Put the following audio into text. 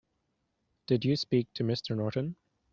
Did you speak to Mr. Norton?